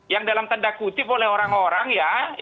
yang dalam tanda kutip oleh orang orang ya